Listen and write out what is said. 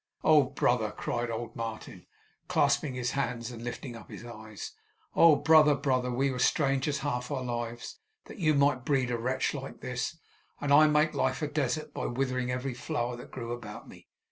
'Oh, brother!' cried old Martin, clasping his hands and lifting up his eyes. 'Oh, brother, brother! Were we strangers half our lives that you might breed a wretch like this, and I make life a desert by withering every flower that grew about me!